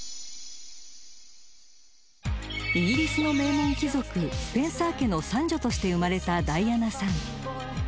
［イギリスの名門貴族スペンサー家の３女として生まれたダイアナさん］